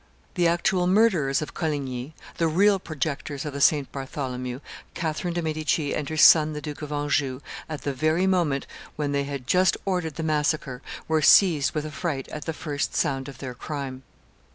The actual murderers of Coligny, the real projectors of the St. Bartholomew, Catherine de' Medici and her son the Duke of Anjou, at the very moment when they had just ordered the massacre, were seized with affright at the first sound of their crime.